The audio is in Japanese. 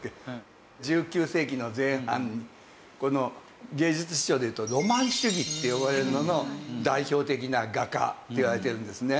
１９世紀の前半に芸術思潮で言うとロマン主義って呼ばれるものの代表的な画家といわれてるんですね。